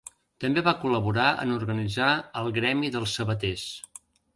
També va col·laborar en organitzar al gremi dels sabaters.